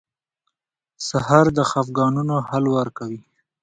سهار د خفګانونو حل ورکوي.